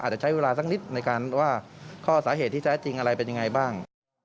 อาจจะใช้เวลาสักนิดในการว่าข้อสาเหตุที่แท้จริงอะไรเป็นยังไงบ้าง